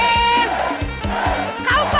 เร็ว